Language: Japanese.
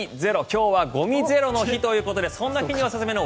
今日はゴミゼロの日ということでそんな日におすすめの